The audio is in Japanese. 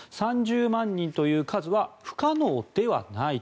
３０万人という数は不可能ではない。